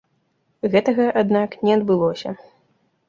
Гэтага, аднак, не адбылося.